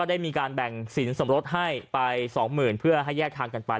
ซื้อเกี่ยว๒๐๐๐๐เพื่อให้แยกทางกันไป